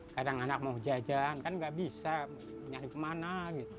kadang anak mau jajan kan nggak bisa nyari kemana gitu